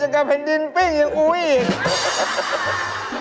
จะกลับให้ดินปิ้งอย่างอุ้ยอีก